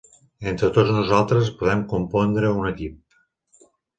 Entre tots nosaltres podem compondre un equip.